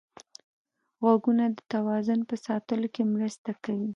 غوږونه د توازن په ساتلو کې مرسته کوي